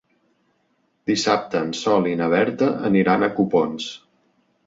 Dissabte en Sol i na Berta aniran a Copons.